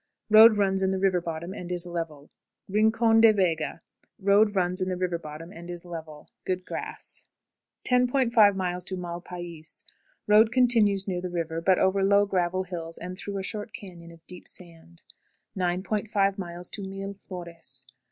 Road runs in the river bottom, and is level. Rincon de Vega. Road runs in the river bottom, and is level. Good grass. 10.50. Mal Pais. Road continues near the river, but over low gravel hills and through a short cañon of deep sand. 9.50. Mil Flores.